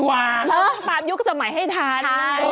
เราต้องตามยุคสมัยให้ทัน